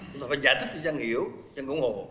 chúng ta phải giải thích cho dân hiểu dân ủng hộ